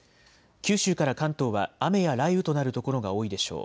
九州から関東は雨や雷雨となる所が多いでしょう。